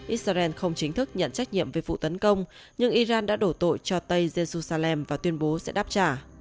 israel không chính thức nhận trách nhiệm về vụ tấn công nhưng iran đã đổ tội cho tây jerusalem và tuyên bố sẽ đáp trả